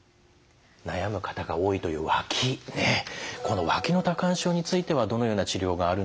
悩む方が多いというわきこのわきの多汗症についてはどのような治療があるんでしょう？